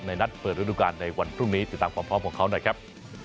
นัดเปิดฤดูการในวันพรุ่งนี้ติดตามความพร้อมของเขาหน่อยครับ